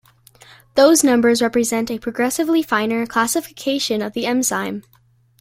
Those numbers represent a progressively finer classification of the enzyme.